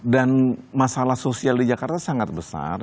dan masalah sosial di jakarta sangat besar